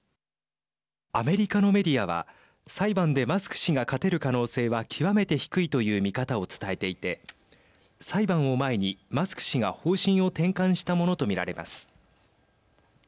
アメリカのメディアは裁判でマスク氏が勝てる可能性は極めて低いという見方を伝えていて裁判を前に、マスク氏が方針を転換したものと見られます。